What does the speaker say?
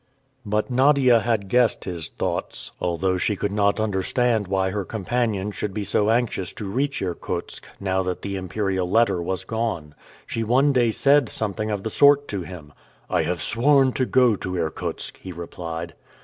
But Nadia had guessed his thoughts, although she could not understand why her companion should be so anxious to reach Irkutsk, now that the Imperial letter was gone. She one day said something of the sort to him. "I have sworn to go to Irkutsk," he replied.